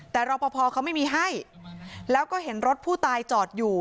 แต่รอปภเขาไม่มีให้แล้วก็เห็นรถผู้ตายจอดอยู่